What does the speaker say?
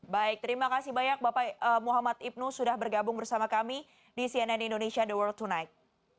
baik terima kasih banyak bapak muhammad ibnu sudah bergabung bersama kami di cnn indonesia the world tonight